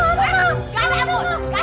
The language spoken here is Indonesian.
gak ada ampun gak ada ampun buat kamu